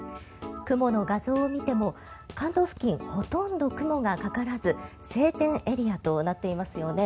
雲の画像を見ても関東付近、ほとんど雲がかからず晴天エリアとなっていますよね。